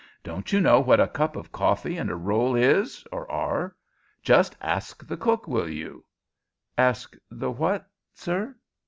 "Don't you know what a cup of coffee and a roll is or are? Just ask the cook, will you " "Ask the what, sir?"